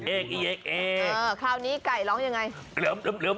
เออเคล้านี้ไก่ร้องยังไง